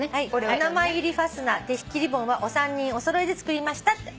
「お名前入りファスナー手引きリボンはお三人お揃いで作りました」って。